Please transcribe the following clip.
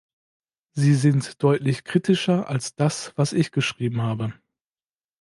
Sie sind deutlich kritischer als das, was ich geschrieben habe.